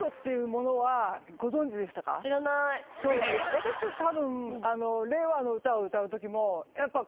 私たちたぶん。